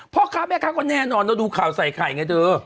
เพราะกลับกันแน่นอนดูข่าวใส่ไข่ไงเธอ